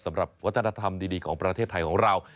สำหรับวัฒนธรรมดีของประเทศไทยของเรา